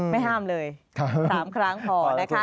ไม่ห้ามเลย๓ครั้งพอนะคะ